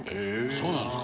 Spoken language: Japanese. そうなんですか？